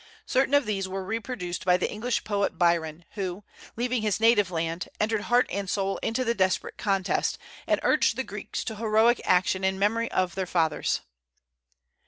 Certain of these were reproduced by the English poet Byron, who, leaving his native land, entered heart and soul into the desperate contest, and urged the Greeks to heroic action in memory of their fathers.